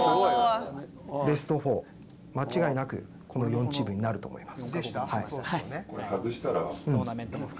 ベスト４、間違いなくこの４チームになると思います。